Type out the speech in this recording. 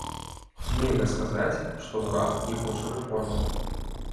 Нельга сказаць, што ўрад не хоча рэформаў.